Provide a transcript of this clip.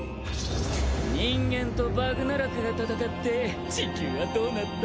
人間とバグナラクが戦ってチキューはどうなった？